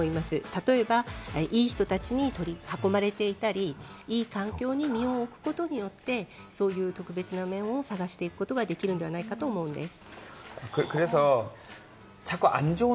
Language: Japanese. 例えば、いい人たちに囲まれていたり、いい環境に身を置くことによって、そういう特別な面を探していくことができるんじゃないかと思うんです。